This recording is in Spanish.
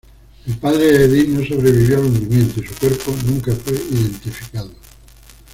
El padre de Edith no sobrevivió al hundimiento y su cuerpo nunca fue identificado.